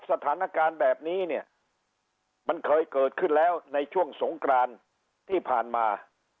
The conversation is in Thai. สถานการณ์แบบนี้เนี่ยมันเคยเกิดขึ้นแล้วในช่วงสงกรานที่ผ่านมา